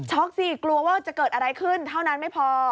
สิกลัวว่าจะเกิดอะไรขึ้นเท่านั้นไม่พอ